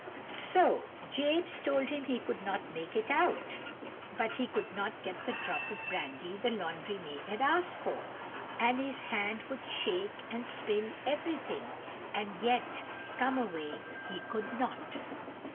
So James told him he could not make it out, but he could not get the drop of brandy the laundry maid had asked for, and his hand would shake and spill everything, and yet come away he could not.